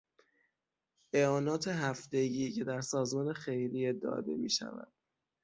اعانات هفتگی که در سازمان خیریه داده میشود